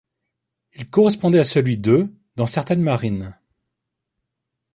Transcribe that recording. Il correspondait à celui de dans certaines marines.